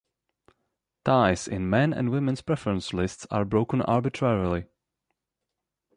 Ties in men and women's preference list are broken arbitrarily.